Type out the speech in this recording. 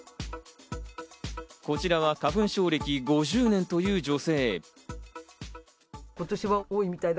こちらは花粉症歴５０年という女性。